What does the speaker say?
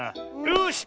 よし！